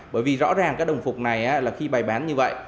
bởi vì rõ ràng đồng phục này khi bày bán như vậy